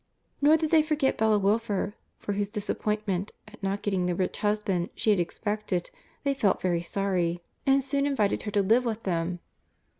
Nor did they forget Bella Wilfer (for whose disappointment, at not getting the rich husband she had expected, they felt very sorry), and soon invited her to live with them.